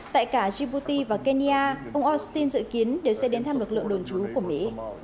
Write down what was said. tại cả djibouti và kenya ông austin dự kiến đều sẽ đến thăm lực lượng đồn chú của mỹ